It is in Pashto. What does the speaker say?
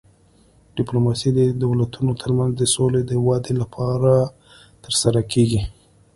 ډیپلوماسي د دولتونو ترمنځ د سولې د ودې لپاره ترسره کیږي